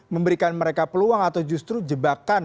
memberikan mereka peluang atau justru jebakan